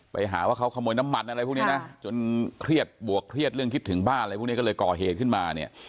ไปหาว่าเขาขโมยน้ำมันอะไรพวกนี้นะจนเครียดบวกเครียดเรื่องคิดถึงบ้านอะไรพวกนี้ก็เลยก่อเหตุขึ้นมาเนี่ย